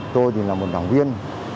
tôi thì là một đảng viên